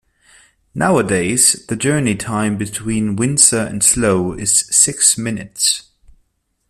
Nowadays, the journey time between Windsor and Slough is six minutes.